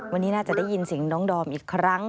วันนี้น่าจะได้ยินเสียงน้องดอมอีกครั้ง